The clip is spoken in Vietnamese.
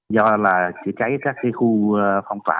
do là chữa cháy các khu phong tỏa